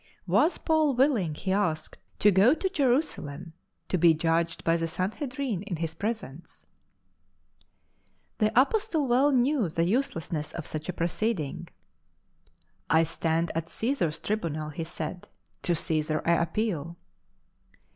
Was Paul willing, he asked, to go to Jerusa lem to be judged by the Sanhedrin in his presence ? The Apostle well knew the uselessness of such a proceeding. "I stand at Cesar's tribunal," he said, " to Csesar I appeal."